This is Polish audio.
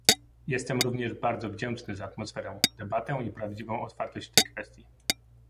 Jestem również bardzo wdzięczny za atmosferę, debatę i prawdziwą otwartość w tej kwestii